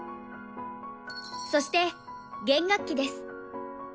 そして弦楽器です。